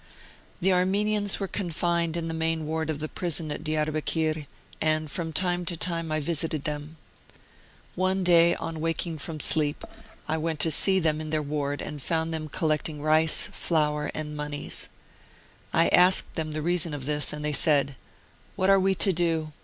The Armenians were confined in the main ward of the prison at Diarbekir, and from time to time I visited them. One day, on waking from sleep, I went to see them in their ward and found them collecting rice, flour and moneys. I asked 32 Martyred Armenia them the reason of this, and they said : "What are we to do?